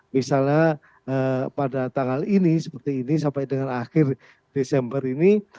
misalnya pada tanggal ini seperti ini sampai dengan akhir desember ini